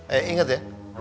ya inget ya